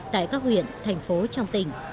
tại các huyện thành phố trong tỉnh